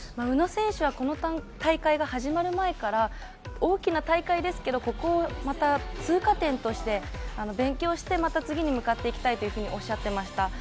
宇野選手はこの大会が始まる前から、大きな大会ですけど、ここを通過点として勉強して次に向かっていきたいとおっしゃっていました。